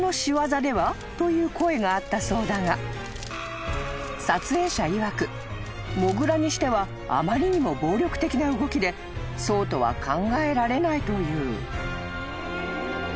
［という声があったそうだが撮影者いわくモグラにしてはあまりにも暴力的な動きでそうとは考えられないという］